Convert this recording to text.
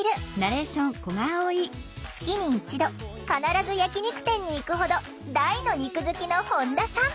月に一度必ず焼き肉店に行くほど大の肉好きの本田さん！